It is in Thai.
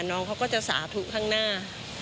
น้องเขาก็จะสาธุข้างหน้า